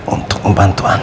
untuk membantu anda